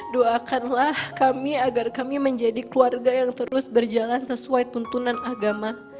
doakanlah kami agar kami menjadi keluarga yang terus berjalan sesuai tuntunan agama